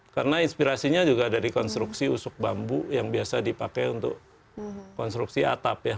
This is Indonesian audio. karena inspirasinya juga dari konstruksi usuk bambu yang biasa dipakai untuk konstruksi atap ya